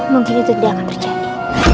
mungkin itu tidak akan terjadi